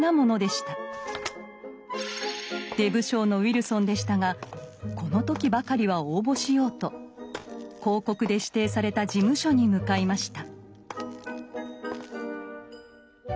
出不精のウィルソンでしたがこの時ばかりは応募しようと広告で指定された事務所に向かいました。